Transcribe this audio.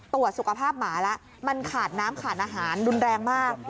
ตรวจสุขภาพหมาแล้วมันขาดน้ำขาดอาหารรุนแรงมาก